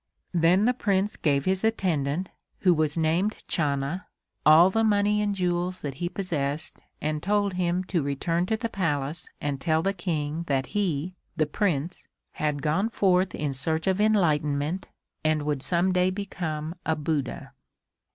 Then the Prince gave his attendant, who was named Channa, all the money and jewels that he possessed and told him to return to the Palace and tell the King that he, the Prince, had gone forth in search of enlightenment and would some day become a Buddha.